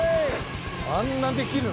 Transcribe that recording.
あんなできる。